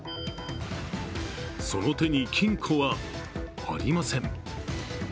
その手に金庫はありません。